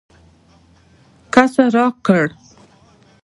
قصر راکړ.